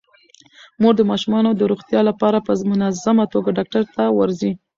مور د ماشومانو د روغتیا لپاره په منظمه توګه ډاکټر ته ورځي.